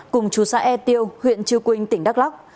cùng chú sae tiêu huyện chư quynh tỉnh đắk lắk